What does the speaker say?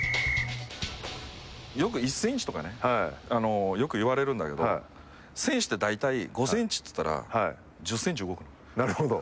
よく１ｃｍとかねよく言われるんだけど選手って大体、５ｃｍって言ったら１０ｃｍ動くの。